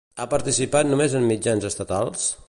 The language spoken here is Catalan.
Ha participat només en mitjans estatals?